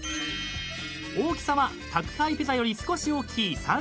［大きさは宅配ピザより少し大きい３０ｃｍ］